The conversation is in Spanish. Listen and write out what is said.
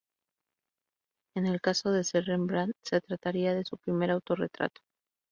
En el caso de ser Rembrandt, se trataría de su primer autorretrato.